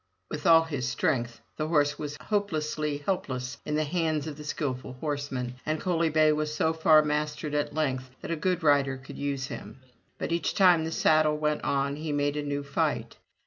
With all his strength the horse was hopelessly helpless in the hands of the skilful horseman, and Coaly bay was so far mastered at length that a good rider could use him. But each time the saddle went on, he made a new fight.